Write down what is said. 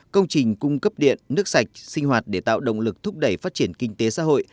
công trình cung cấp điện nước sạch sinh hoạt để tạo động lực thúc đẩy phát triển kinh tế xã hội